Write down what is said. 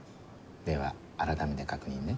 ではあらためて確認ね。